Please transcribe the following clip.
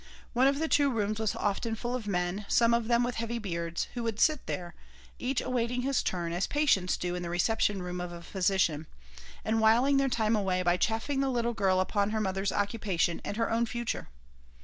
One of the two rooms was often full of men, some of them with heavy beards, who would sit there, each awaiting his turn, as patients do in the reception room of a physician, and whiling their time away by chaffing the little girl upon her mother's occupation and her own future.